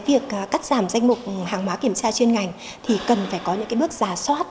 việc cắt giảm danh mục hàng hóa kiểm tra chuyên ngành thì cần phải có những bước giả soát